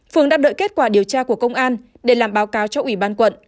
phường đã đợi kết quả điều tra của công an để làm báo cáo cho ủy ban quận